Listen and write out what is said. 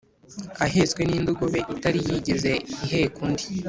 Ahetswe n’indogobe itari yigeze iheka undi